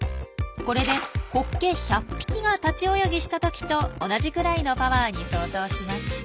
これでホッケ１００匹が立ち泳ぎした時と同じくらいのパワーに相当します。